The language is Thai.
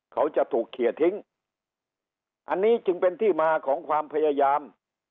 เขาจะถูกเคลียร์ทิ้งอันนี้จึงเป็นที่มาของความพยายาม